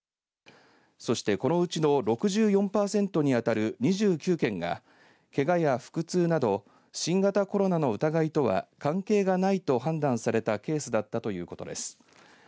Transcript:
そしてこのうちの６４パーセントに当たる２９件がけがや腹痛など新型コロナの疑いとは関係がないと判断されたケースだったということです。